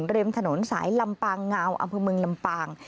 ริมถนนสายลำปางงาวอำเภอเมืองลำปาง